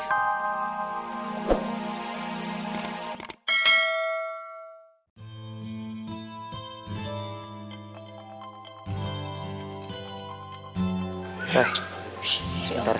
rai sebentar ya